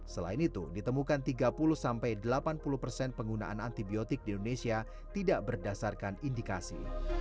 selain itu ditemukan tiga puluh delapan puluh persen penggunaan antibiotik di indonesia tidak berdasarkan indikasi